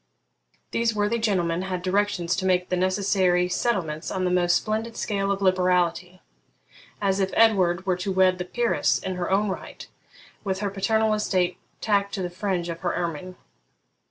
These worthy gentlemen had directions to make the necessary settlements on the most splendid scale of liberality, as if Edward were to wed a peeress in her own right, with her paternal estate tacked to the fringe of her ermine.